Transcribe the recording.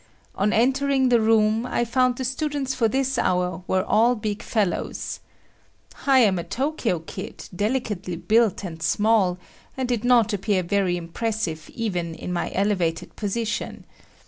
On entering the room, I found the students for this hour were all big fellows. I am a Tokyo kid, delicately built and small, and did not appear very impressive even in my elevated position.